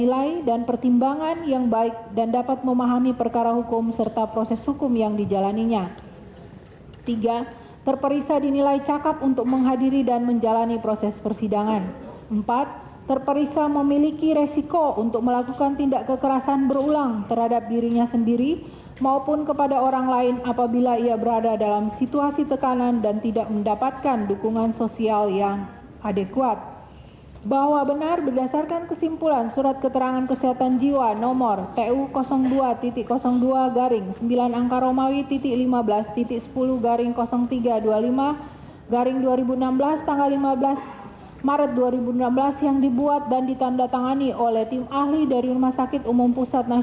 sebagaimana berita acara pengujian penentuan waktu dimasukkannya cyanida ke dalam minuman korban myrna